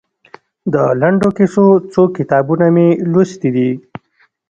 د لنډو کیسو څو کتابونه مو لوستي دي؟